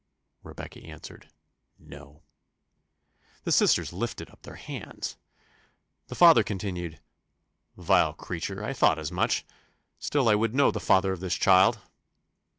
Rebecca answered, "No." The sisters lifted up their hands! The father continued "Vile creature, I thought as much. Still I will know the father of this child."